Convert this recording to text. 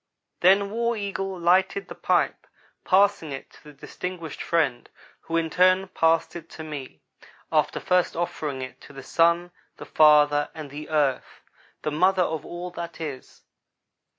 Then War Eagle lighted the pipe, passing it to the distinguished friend, who in turn passed it to me, after first offering it to the Sun, the father, and the Earth, the mother of all that is.